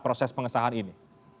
proses pengesahan ini